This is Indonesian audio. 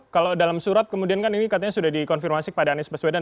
kalau dalam surat kemudian kan ini katanya sudah dikonfirmasi kepada anies baswedan